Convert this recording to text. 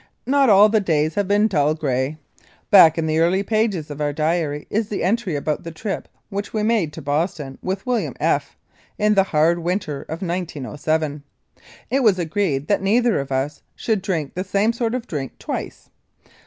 Not all the days have been dull gray. Back in the early pages of our diary is the entry about the trip which we made to Boston with William F in the hard winter of 1907. It was agreed that neither of us should drink the same sort of drink twice.